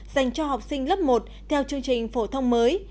dành cho học sinh lớp một theo chương trình phổ thông mới